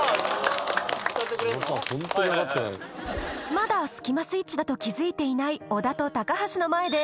まだスキマスイッチだと気づいていない小田と高橋の前で